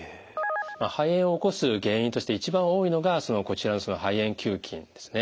肺炎を起こす原因として一番多いのがこちらの肺炎球菌ですね。